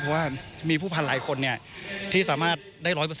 เพราะว่ามีผู้พันหลายคนที่สามารถได้๑๐๐